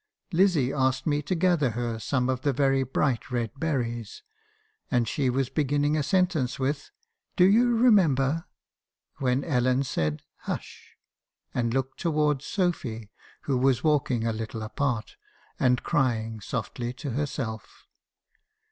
Lizzie asked me to gather her some of the very bright red berries, and she was beginning a sentence with, " 'Do you remember —,' when Ellen said ' Hush ,' and looked towards Sophy, who was walking a little apart, and crying softly to herself.